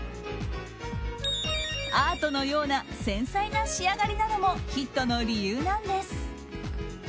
アートのような繊細な仕上がりなのもヒットの理由なんです。